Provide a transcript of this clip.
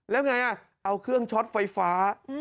แล้วไงเอาเครื่องช็อตไฟฟ้า